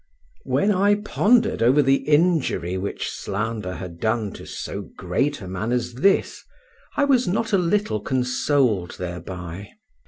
When I pondered over the injury which slander had done to so great a man as this, I was not a little consoled thereby.